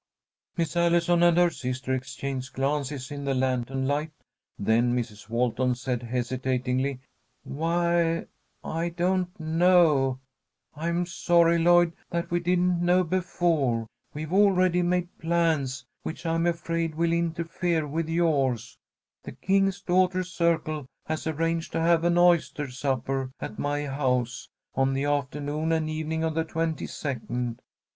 Miss Allison and her sister exchanged glances in the lantern light, then Mrs. Walton said, hesitatingly: "Why I don't know I'm sorry, Lloyd, that we didn't know before. We've already made plans which I am afraid will interfere with yours. The King's Daughters' Circle has arranged to have an oyster supper at my house on the afternoon and evening of the twenty second.